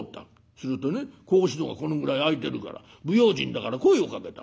するとね格子戸がこのぐらい開いてるから不用心だから声をかけた。